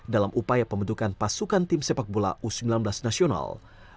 dalam upaya pembentukan pasukan tim sepak bola u sembilan belas nasional